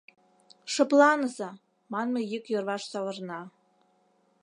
Шыпланыза, — манме йӱк йырваш савырна.